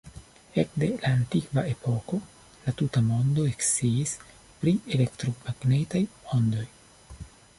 Ekde la antikva epoko, la tuta mondo eksciis pri elektromagnetaj ondoj.